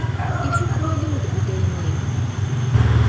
Ifukk walim deg udaynin.